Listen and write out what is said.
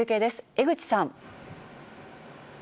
江口さん。